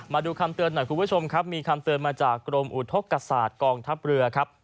มาดูคำเตือนหน่อยคุณผู้ชมครับมีคำเตือนมาจากกรมอุทธกษาตกองทัพเรือครับ